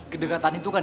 kedekatan itu kan